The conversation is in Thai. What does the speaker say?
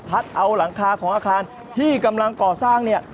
เอาหลังคาของอาคารที่กำลังก่อสร้างเนี่ย